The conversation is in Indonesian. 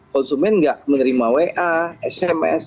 konsumen nggak menerima wa sms